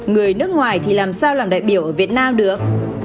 người nước ngoài thì làm sao làm đại biểu ở việt nam được